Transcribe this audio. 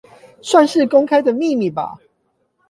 算是公開的秘密吧